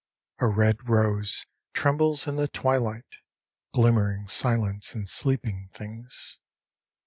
A red rose tremoieb In the twilight Glimmering silence And sleeping things.